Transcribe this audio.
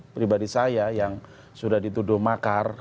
pribadi saya yang sudah dituduh makar